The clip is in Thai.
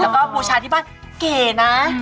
แล้วก็บูชาที่บ้านเก๋นะ